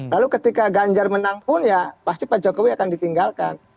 lalu ketika ganjar menang pun ya pasti pak jokowi akan ditinggalkan